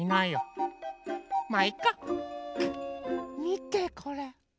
みてこれ。